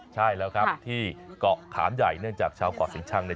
ใช่แล้วครับที่เกาะขามใหญ่เนื่องจากชาวเกาะสินชังเนี่ย